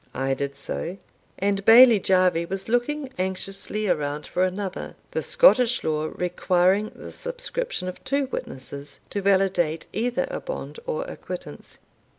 I did so, and Bailie Jarvie was looking anxiously around for another, the Scottish law requiring the subscription of two witnesses to validate either a bond or acquittance.